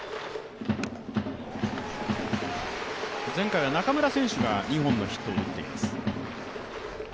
前回は中村選手が２本のヒットを打っています。